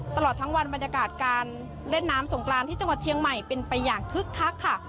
ตลอดทั้งวันบรรยากาศการเล่นน้ำสงกรานที่จังหวัดเชียงใหม่เป็นไปอย่างคึกคักค่ะ